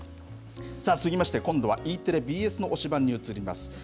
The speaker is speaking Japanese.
続きまして、今度はＥテレ、ＢＳの推しバン！に移ります。